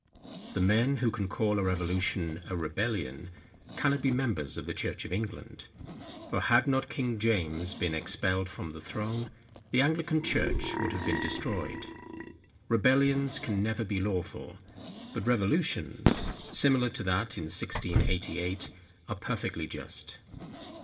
The men, who can call the revolution a rebellion, cannot be members of the church of England; for had not King James been expelled from the throne, the Anglican church would have been destroyed. Rebellions can never be lawful; but revolutions, similar to that in 1688, are perfectly just.